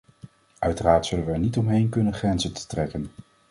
Uiteindelijk zullen we er niet omheen kunnen grenzen te trekken.